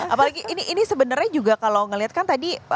apalagi ini sebenarnya juga kalau ngelihatkan tadi